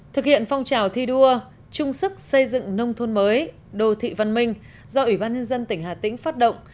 thực hiện phong trào thi đua chung sức xây dựng nông thôn mới đô thị văn minh do ủy ban nhân dân tỉnh hà tĩnh phát động